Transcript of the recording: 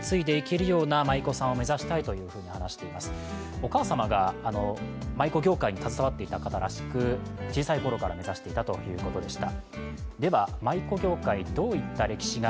お母様が舞子業界に携わっていた方らしく小さい頃から目指していたということでした。